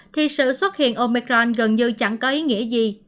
thì sự xuất hiện omicron gần như chẳng có ý nghĩa gì